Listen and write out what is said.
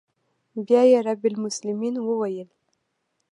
بيا يې رب المسلمين وويل.